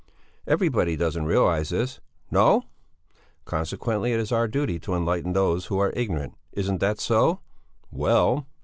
Everybody doesn't realize this. No! Consequently it is our duty to enlighten those who are ignorant; isn't that so? Well!